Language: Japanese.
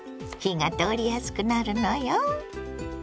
火が通りやすくなるのよ。